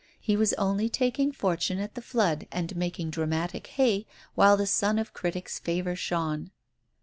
He was only taking fortune at the flood and making dramatic hay while the sun of critics favour shone.